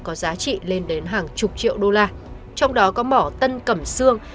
có giá trị lên đến hàng chục triệu đô la trong đó có mỏ tân cẩm sương